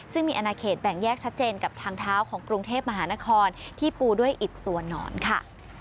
ซึ่งมีอนาเขตแบ่งแยกชัดเจนกับทางเท้าของกรุงเทพมหานครที่ปูด้วยอิดตัวหนอนค่ะ